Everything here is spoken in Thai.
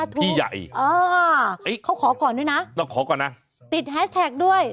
พี่ใหญ่เออเอ๊ะเราขอก่อนด้วยนะติดแฮชแท็กด้วย